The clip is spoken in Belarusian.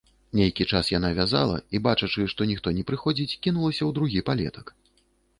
Нейкі час яна вязала і, бачачы, што ніхто не прыходзіць, кінулася ў другі палетак.